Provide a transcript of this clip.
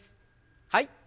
はい。